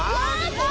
これ。